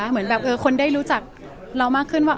เหมือนแบบคนได้รู้จักเรามากขึ้นว่า